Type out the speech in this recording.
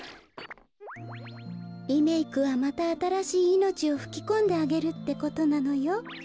リメークはまたあたらしいいのちをふきこんであげるってことなのよ。